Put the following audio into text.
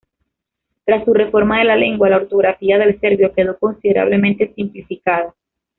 Tras su reforma de la lengua, la ortografía del serbio quedó considerablemente simplificada.